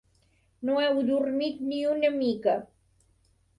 No heu dormit ni una mica